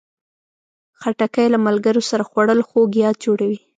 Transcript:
خټکی له ملګرو سره خوړل خوږ یاد جوړوي.